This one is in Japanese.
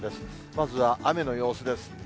まずは雨の様子です。